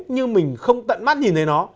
như mình không tận mắt nhìn thấy nó